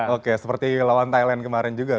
oke seperti lawan thailand kemarin juga